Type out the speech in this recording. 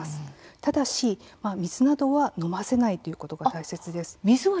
ただし、水などは飲ませないということが大切です。